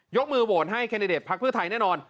มือโหวตให้แคนดิเดตพักเพื่อไทยแน่นอน